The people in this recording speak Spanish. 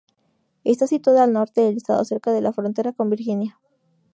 Está situada al norte del estado, cerca de la frontera con Virginia.